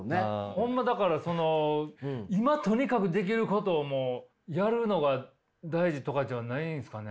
ホンマだからその今とにかくできることをもうやるのが大事とかじゃないんですかね。